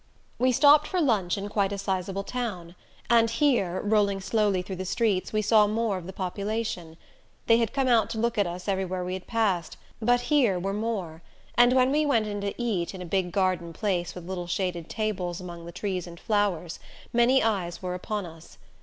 We stopped for lunch in quite a sizable town, and here, rolling slowly through the streets, we saw more of the population. They had come out to look at us everywhere we had passed, but here were more; and when we went in to eat, in a big garden place with little shaded tables among the trees and flowers, many eyes were upon us.